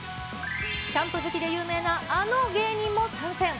キャンプ好きで有名なあの芸人も参戦。